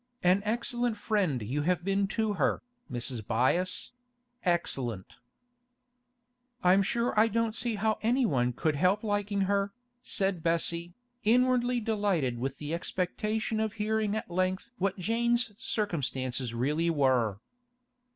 An excellent friend you have been to her, Mrs. Byass—excellent.' 'I'm sure I don't see how anyone could help liking her,' said Bessie, inwardly delighted with the expectation of hearing at length what Jane's circumstances really were.